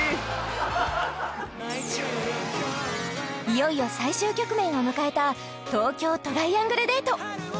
いよいよ最終局面を迎えた東京トライアングルデート